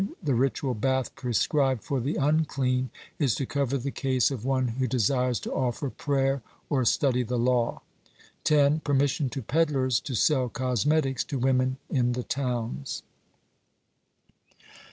The ritual bath prescribed for the unclean is to cover the case of one who desires to offer prayer or study the law. (48) 10. Permission to peddlers to sell cosmetics to women in the towns.